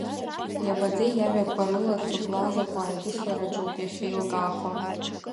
Иабаӡӡеи иажәақәа рыла, цыблаа закәу аидыслараҿоуп иахьеилкаахо.